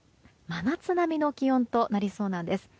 真夏並みの気温となりそうなんです。